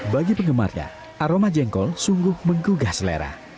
bagi penggemarnya aroma jengkol sungguh menggugah selera